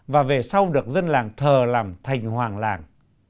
và về sau được dân làng thờ làm thành hoàng làng